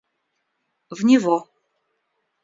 В него.